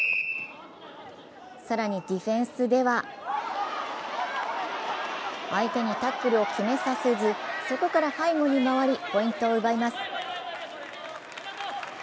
更に、ディフェンスでは相手にタックルを決めさせずそこから背後に回りポイントを奪います。